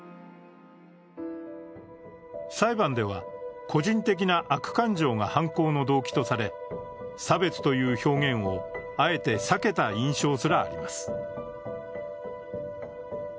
裁判では、個人的な悪感情が犯行の動機とされ差別という表現をあえて避けた印象すらあります。